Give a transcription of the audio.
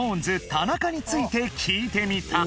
田中について聞いてみた